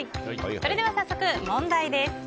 それでは早速問題です。